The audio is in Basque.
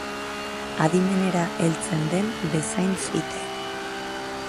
Adimenera heltzen den bezain fite.